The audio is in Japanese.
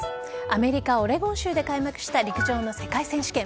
アメリカ・オレゴン州で開幕した陸上の世界選手権。